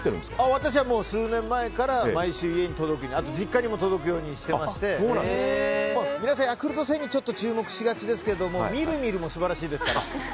私は数年前から毎週家に届いて実家にも届くようにしていて皆さん、ヤクルト１０００にちょっと注目しがちですけどミルミルも素晴らしいですから。